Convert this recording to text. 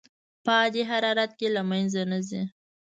په عادي حرارت کې له منځه نه ځي.